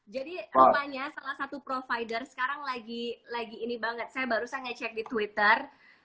jadi rupanya salah satu provider sekarang lagi ini banget saya baru saya ngecek di twitter